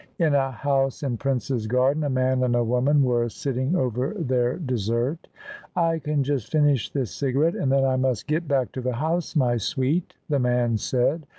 In a house in Prince's Garden a man and a woman were sitting over their dessert " I can just finish this cigarette, and then I must get back to the House, my sweet/' the man said.